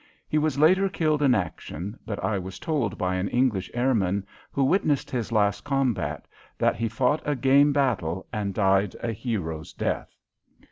He was later killed in action, but I was told by an English airman who witnessed his last combat that he fought a game battle and died a hero's death.